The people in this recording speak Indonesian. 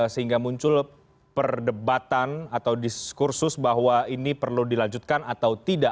sehingga muncul perdebatan atau diskursus bahwa ini perlu dilanjutkan atau tidak